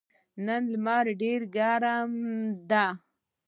نن لمر ډېر ګرم ده.